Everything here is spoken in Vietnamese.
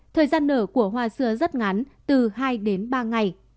thời gian nở của hoa xưa rất ngắn từ hai đến ba ngày